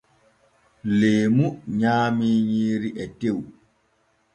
Leemu nyaamii nyiiri e tew.